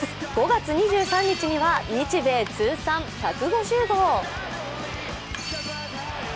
５月２３日には日米通算１５０号。